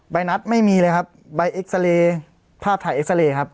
นัดไม่มีเลยครับใบเอ็กซาเรย์ภาพถ่ายเอ็กซาเรย์ครับ